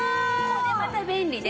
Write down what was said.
これまた便利で。